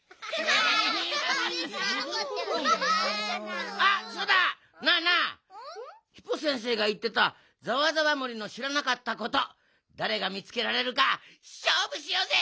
なあなあヒポ先生がいってたざわざわ森のしらなかったことだれがみつけられるかしょうぶしようぜ！